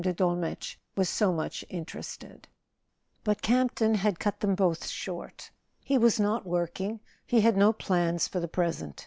de Dolmetsch was so much interested. .. But Campton had cut them both short. He was not working—he had no plans for the present.